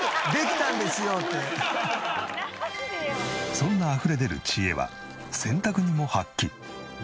そんなあふれ出る知恵は洗濯にも発揮。